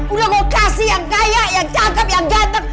udah mau kasih yang kaya yang cakep yang gatep